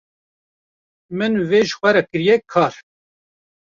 min vê ji xwe re kirîye kar.